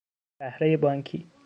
بهرهی بانکی